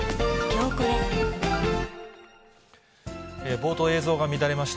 冒頭、映像が乱れました。